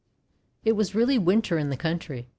It was really Winter in the country.